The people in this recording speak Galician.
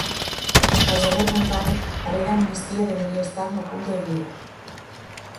Mais de haber vontade, a Lei de Amnistía debería estar no punto de mira.